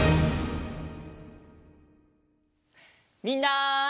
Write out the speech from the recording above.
みんな。